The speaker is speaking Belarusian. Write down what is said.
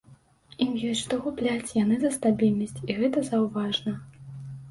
Ім ёсць што губляць, яны за стабільнасць, і гэта заўважна.